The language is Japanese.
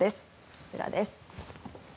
こちらです。